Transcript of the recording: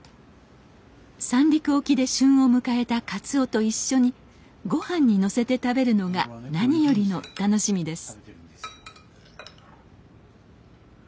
三陸沖で旬を迎えたカツオと一緒にごはんにのせて食べるのが何よりの楽しみです。